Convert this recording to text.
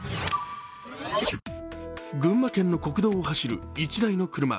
群馬県の国道を走る１台の車。